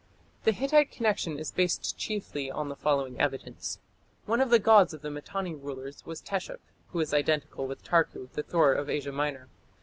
The Hittite connection is based chiefly on the following evidence. One of the gods of the Mitanni rulers was Teshup, who is identical with Tarku, the Thor of Asia Minor.